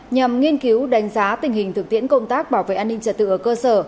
nhằm nghiên cứu đánh giá tình hình thực tiễn công tác bảo vệ an ninh trật tự ở cơ sở